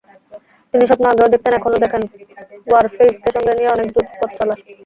তিনি স্বপ্ন আগেও দেখতেন, এখনো দেখেন ওয়ারফেইজকে সঙ্গে নিয়ে অনেক দূর পথচলার।